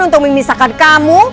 untuk memisahkan kamu